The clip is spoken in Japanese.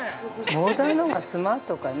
ボーダーのほうがスマートかね。